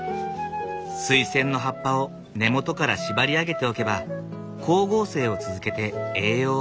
スイセンの葉っぱを根元から縛り上げておけば光合成を続けて栄養を作り出すという。